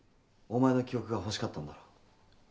お前の記憶が欲しかったんだろう。